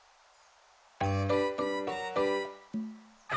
あ！